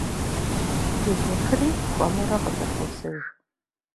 Ди гупри хуэмурэ къызэхуосыж.